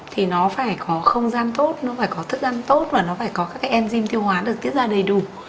thì nó phải có không gian tốt nó phải có thức ăn tốt và nó phải có các cái enzym tiêu hóa được tiết ra đầy đủ